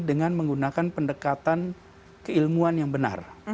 dengan menggunakan pendekatan keilmuan yang benar